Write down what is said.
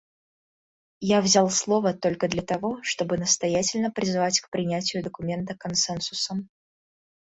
Я взял слово только для того, чтобы настоятельно призвать к принятию документа консенсусом.